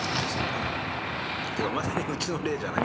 まさにうちの例じゃない？